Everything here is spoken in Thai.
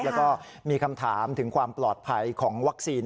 แล้วก็มีคำถามถึงความปลอดภัยของวัคซีน